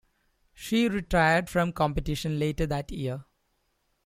She retired from competition later that year.